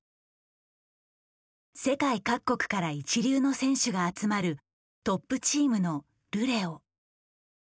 世界各国から一流の選手が集まるトップチームのルレオ。